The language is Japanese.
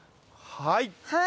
はい。